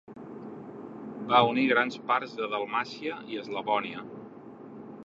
Va unir grans parts de Dalmàcia i Eslavònia.